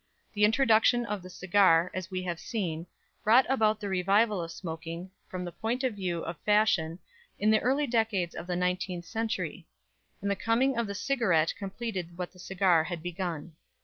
The introduction of the cigar, as we have seen, brought about the revival of smoking, from the point of view of fashion, in the early decades of the nineteenth century; and the coming of the cigarette completed what the cigar had begun.